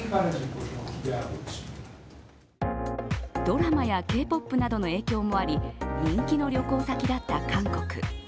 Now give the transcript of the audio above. ドラマやＫ−ＰＯＰなどの影響もあり人気の旅行先だった韓国。